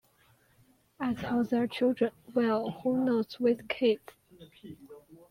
As for their children, well, who knows with kids?